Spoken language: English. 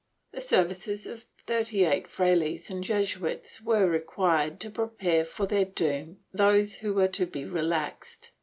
^ The services of thirty eight frailes and Jesuits were required to prepare for their doom those who were to be relaxed.